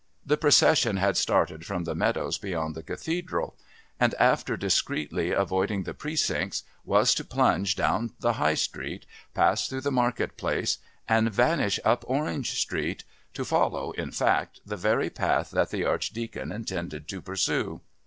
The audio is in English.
The procession had started from the meadows beyond the Cathedral and, after discreetly avoiding the Precincts, was to plunge down the High Street, pass through the Market place and vanish up Orange Street to follow, in fact, the very path that the Archdeacon intended to pursue.